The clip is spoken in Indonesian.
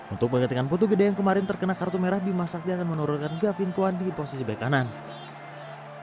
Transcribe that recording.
untuk menggantikan putu gede yang kemarin terkena kartu merah bima sakti akan menurunkan gavin kwan di posisi back kanan